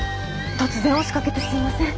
突然押しかけてすいません。